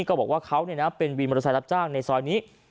ก็บอกว่าเขาเป็นวินบริษัทรับจ้างในซอยนี้